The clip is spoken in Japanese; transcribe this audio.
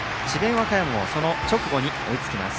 和歌山もその直後に追いつきます。